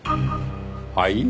はい？